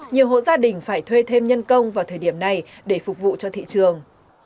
nhiều hộ gia đình phải thuê thêm nhân công vào thời điểm này để phục vụ cho thị trường